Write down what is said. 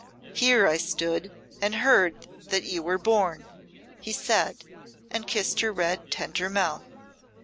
"Here I stood and heard that you were born," he said, and kissed her red, tender mouth.